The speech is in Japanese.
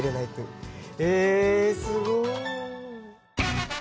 えすごい。